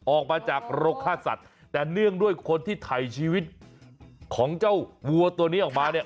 ออกมาจากโรคฆ่าสัตว์แต่เนื่องด้วยคนที่ถ่ายชีวิตของเจ้าวัวตัวนี้ออกมาเนี่ย